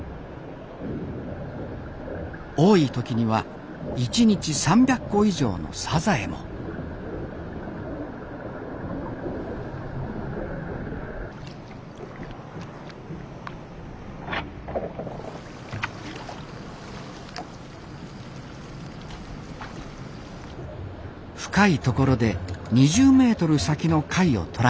多い時には１日３００個以上のサザエも深い所で２０メートル先の貝を捕らえます。